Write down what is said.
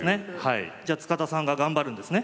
じゃあ塚田さんが頑張るんですね。